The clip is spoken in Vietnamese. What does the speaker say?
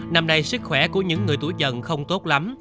năm nay sức khỏe của những người tuổi dần không tốt lắm